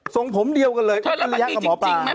ส่งผมเดียวกันเลยอัจฉริยะกับหมอปลา